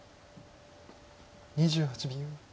２８秒。